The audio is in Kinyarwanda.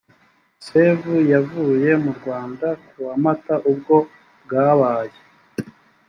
save yavuye mu rwanda ku wa mata ubwo bwabaye